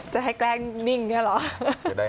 จะให้แกล้งนิ่งเนี่ยเหรอ